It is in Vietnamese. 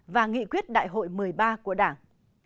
và nghị quyết đại hội một mươi ba của đảng